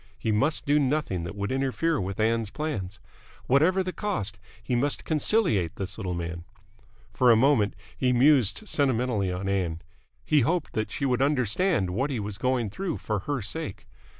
He must do nothing that would interfere with Ann's plans. Whatever the cost, he must conciliate this little man. For a moment he mused sentimentally on Ann. He hoped she would understand what he was going through for her sake.